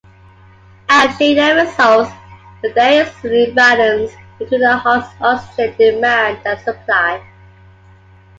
Angina results when there is an imbalance between the heart's oxygen demand and supply.